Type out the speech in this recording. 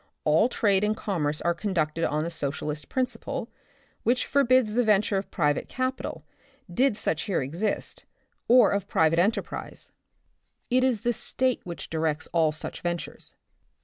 All trade and commerce are conducted on the socialistic principle, which forbids the venture of private capital, did such here exist, or of private enterprise. The Republic of the Future, 7 \ It is the State which directs all such ventures.